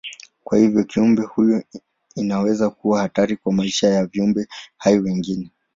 Kwa hivyo kiumbe huyu inaweza kuwa hatari kwa maisha ya viumbe hai wengine.